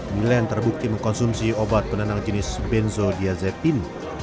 milen terbukti mengkonsumsi obat penenang jenis benzodiazetin